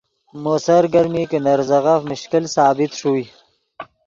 مو سرگرمی کہ نے ریزغف مشکل ثابت ݰوئے